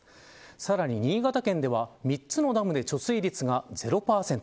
さらに、新潟県では３つのダムで貯水率が０％。